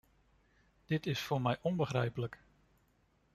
Dit is voor mij onbegrijpelijk.